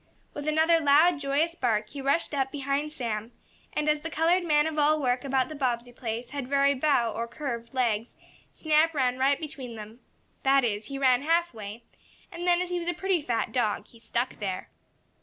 With another loud, joyous bark he rushed up behind Sam, and, as the colored man of all work about the Bobbsey place had very bow, or curved, legs, Snap ran right between them. That is, he ran half way, and then, as he was a pretty fat dog, he stuck there.